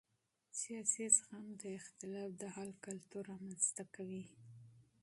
سیاسي زغم د اختلاف د حل کلتور رامنځته کوي